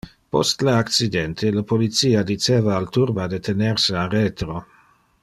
Post le accidente, le policia diceva al turba de tener se a retro.